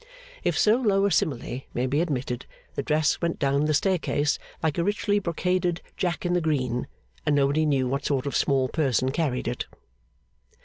If so low a simile may be admitted, the dress went down the staircase like a richly brocaded Jack in the Green, and nobody knew what sort of small person carried it.